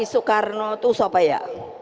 sukarno tuh sopra ya